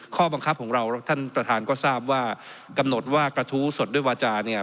ข้อบังคับของเราท่านประธานก็ทราบว่ากำหนดว่ากระทู้สดด้วยวาจาเนี่ย